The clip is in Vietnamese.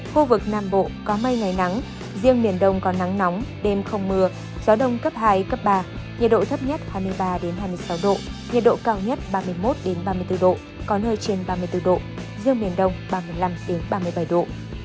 khu vực nam bộ có mây ngày nắng riêng miền đông có nắng nóng đêm không mưa gió đông cấp hai cấp ba nhiệt độ thấp nhất hai mươi ba hai mươi sáu độ nhiệt độ cao nhất ba mươi một ba mươi bốn độ có nơi trên ba mươi bốn độ riêng miền đông ba mươi năm ba mươi bảy độ